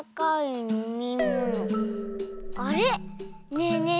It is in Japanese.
ねえねえ